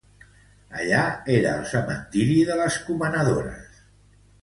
Allí era el cementiri de les comanadores.